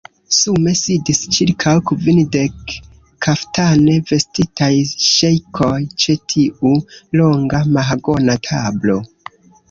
Sume sidis ĉirkaŭ kvindek kaftane vestitaj ŝejkoj ĉe tiu longa mahagona tablo.